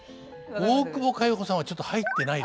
大久保佳代子さんはちょっと入ってないです。